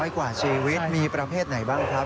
กว่าชีวิตมีประเภทไหนบ้างครับ